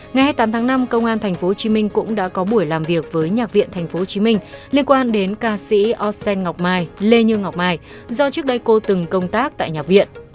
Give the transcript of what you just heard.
ngày hai mươi tám tháng năm công an tp hcm cũng đã có buổi làm việc với nhạc viện tp hcm liên quan đến ca sĩ osen ngọc mai lê như ngọc mai do trước đây cô từng công tác tại nhạc viện